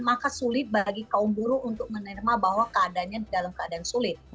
maka sulit bagi kaum buruh untuk menerima bahwa keadaannya dalam keadaan sulit